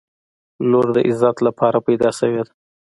• لور د عزت لپاره پیدا شوې ده.